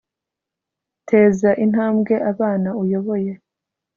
teza intambwe abana uyoboye